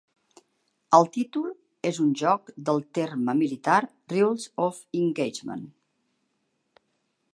El títol és un joc del terme militar Rules of engagement.